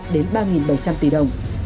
đến ba bảy trăm linh tỷ đồng